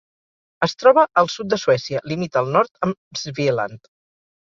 Es troba al sud de Suècia, limita al nord amb Svealand.